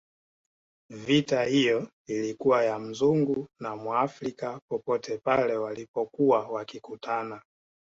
Vita iyo ilikuwa ya Mzungu na Mwafrika popote pale walipokuwa wakikutana